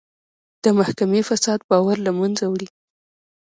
د محکمې فساد باور له منځه وړي.